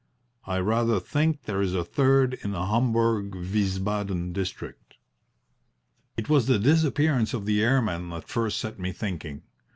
I rather think there is a third in the Homburg Wiesbaden district. "It was the disappearance of the airmen that first set me thinking.